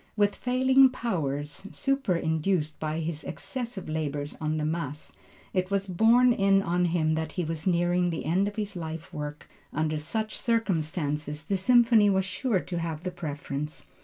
With failing powers superinduced by his excessive labors on the Mass, it was being borne in on him that he was nearing the end of his life work. Under such circumstances the Symphony was sure to have the preference.